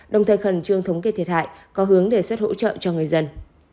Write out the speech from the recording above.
đồng thời khẩn trương thống kết thiệt hại có hướng để xuất hỗ trợ cho người dân